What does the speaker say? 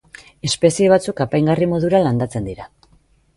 Espezie batzuk apaingarri modura landatzen dira.